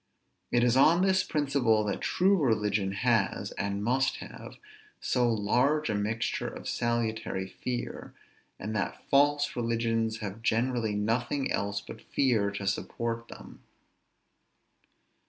It is on this principle that true religion has, and must have, so large a mixture of salutary fear; and that false religions have generally nothing else but fear to support them.